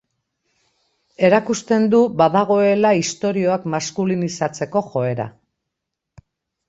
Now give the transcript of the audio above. Erakusten du badagoela istorioak maskulinizatzeko joera.